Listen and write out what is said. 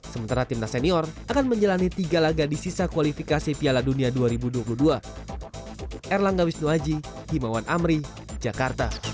sementara timnas senior akan menjalani tiga laga di sisa kualifikasi piala dunia dua ribu dua puluh dua